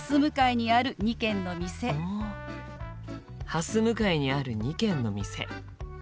はす向かいにある２軒の店。